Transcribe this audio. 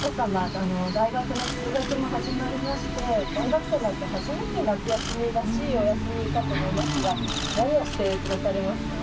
大学の通学も始まりまして大学生になって初めて夏休みらしいお休みかと思いますが何をして過ごされますか？